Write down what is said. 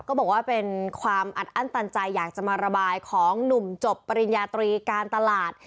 ก็บอกว่าเป็นความอัดอั้นตันใจอยากจะมาระบายของหนุ่มจบปริญญาตรีการตลาด